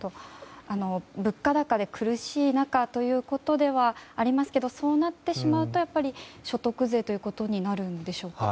物価高で苦しい中ということではありますがそうなってしまうとやっぱり所得税ということになるんでしょうか。